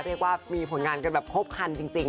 เรียกว่ามีผลงานกันแบบครบคันจริง